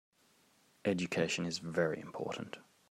Education is very important.